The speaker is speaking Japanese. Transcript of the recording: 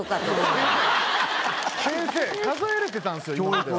先生数えれてたんですよ今までは。